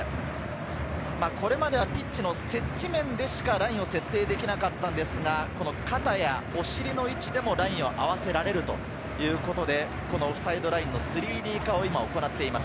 これまではピッチの接地面でしかラインを設定できなかったのですが、肩や、お尻の位置でもラインを合わせられるということで、オフサイドラインの３Ｄ化を今、行っています。